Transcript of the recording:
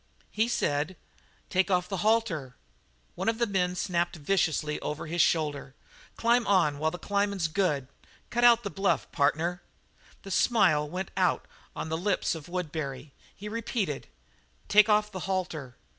He said: "Take off the halter." One of the men snapped viciously over his shoulder: "Climb on while the climbing's good. Cut out the bluff, partner." The smile went out on the lips of Woodbury. He repeated: "Take off the halter."